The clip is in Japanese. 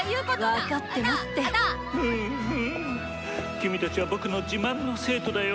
君たちは僕の自慢の生徒だよ」。